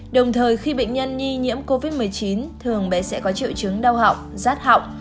đồng thời khi bệnh nhân nghi nhiễm covid một mươi chín thường bé sẽ có triệu chứng đau họng rát họng